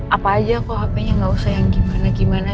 apa aja kok hp nya nggak usah yang gimana gimana